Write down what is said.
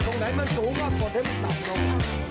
สงไหนมันสูงก็ไม่เกิดให้ต่างลง